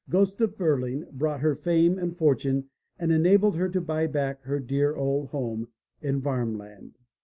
Gosta Berlin^ brought her fame and fortune and enabled her to buy back her dear old home in Varmland.